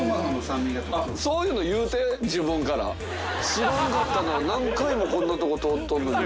知らんかったな何回もこんなとこ通っとんのに。